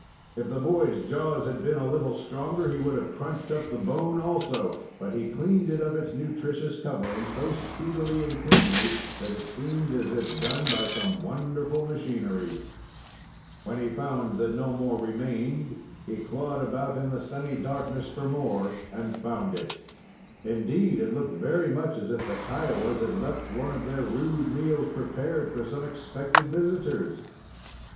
If the boy's jaws had been a little stronger, he would have crunched up the bone also but he cleaned it of its nutritious covering so speedily and cleanly that it seemed as if done by some wonderful machinery. When he found that no more remained, he clawed about in the semi darkness for more and found it. Indeed, it looked very much as if the Kiowas had left one of their rude meals prepared for some expected visitors.